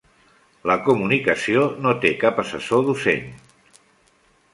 La comunicació no té cap assessor docent.